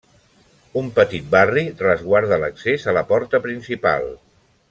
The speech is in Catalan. Un petit barri resguarda l'accés a la porta principal.